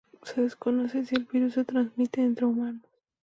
Se desconoce si el virus se transmite entre humanos.